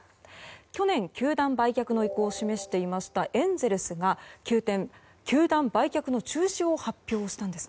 去年、球団売却の意向を示していましたエンゼルスが急転、球団売却の中止を発表したんです。